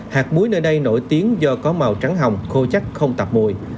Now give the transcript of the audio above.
hạt muối nơi đây nổi tiếng do có màu trắng hồng khô chắc không tập mùi